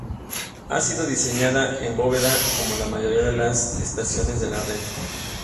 Ha sido diseñada en bóveda como la mayoría de las estaciones de la red.